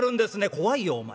「怖いよお前。